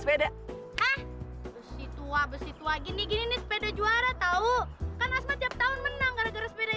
sepeda besi tua besi tua gini gini sepeda juara tahu kan asma tiap tahun menang gara gara sepeda